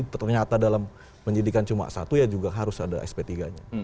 ternyata dalam penyidikan cuma satu ya juga harus ada sp tiga nya